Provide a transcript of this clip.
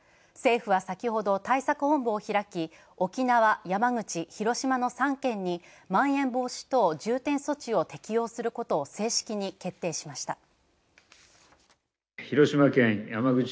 政府は先ほど対策本部を開き、沖縄、山口、広島の３県にまん延防止等重点措置を適用することを正式に決定しました。